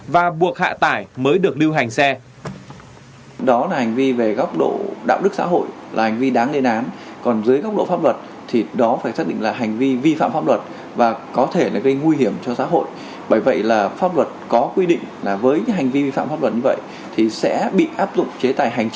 và buộc hạ tải mới được lưu hành xe